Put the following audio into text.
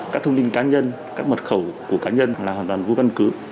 các thông tin cá nhân các mật khẩu của cá nhân là hoàn toàn vô căn cứ